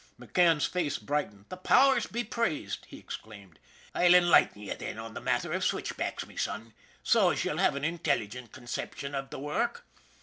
McCann's face brightened. " The powers be praised !" he exclaimed. " I'll en lighten ye, then, on the matter av switchbacks, me son, so as ye'll have an intilligent conception av the work.